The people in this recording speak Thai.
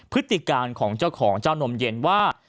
พฤติการของเจ้าของเจ้านมเย็นว่า